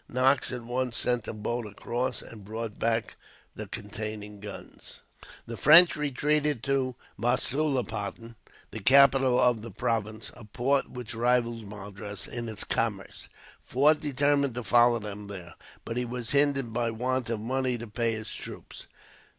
Knox at once sent a boat across, and brought back that containing the guns. The French retreated to Masulipatam, the capital of the province, a port which rivalled Madras in its commerce. Forde determined to follow them there, but he was hindered by want of money to pay his troops.